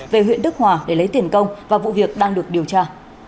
về huyện đức hòa để lấy tiền công và vụ việc đang được điều tra